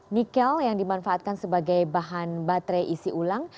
nikel yang dimanfaatkan sebagai bahan baterai isi ulang